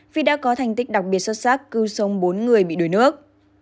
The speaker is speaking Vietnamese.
vì đã có thành tích đặc biệt xuất sắc cưu sông bốn người bị đuổi nước